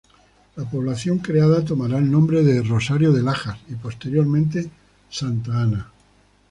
La población creada tomará el nombre de "Rosario de Lajas" y posteriormente "Santa Ana".